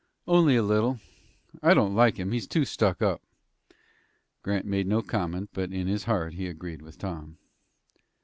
"Only a little. I don't like him. He's too stuck up." Grant made no comment, but in his heart he agreed with Tom.